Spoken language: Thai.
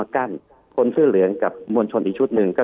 คุณหมอประเมินสถานการณ์บรรยากาศนอกสภาหน่อยได้ไหมคะ